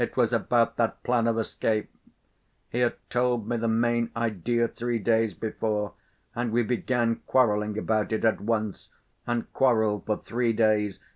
It was about that plan of escape. He had told me the main idea three days before, and we began quarreling about it at once and quarreled for three days.